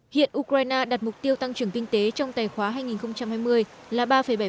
hiện ukraine đặt mục tiêu tăng trưởng kinh tế trong tài khoá hai nghìn hai mươi là ba bảy